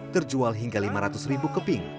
terjual hingga lima ratus ribu keping